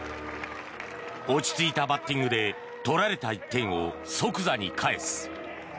落ち着いたバッティングで取られた１点を即座に返す。